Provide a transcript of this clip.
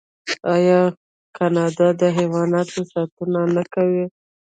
آیا کاناډا د حیواناتو ساتنه نه کوي؟